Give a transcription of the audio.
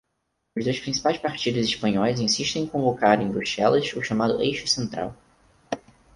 Os dois principais partidos espanhóis insistem em convocar em Bruxelas o chamado eixo central.